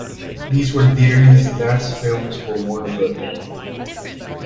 These were Dieterle's last films for Warner Brothers.